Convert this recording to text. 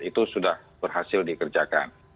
itu sudah berhasil dikerjakan